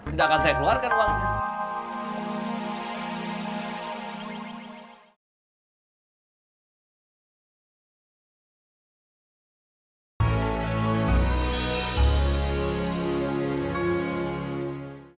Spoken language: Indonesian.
tidak akan saya keluarkan uangnya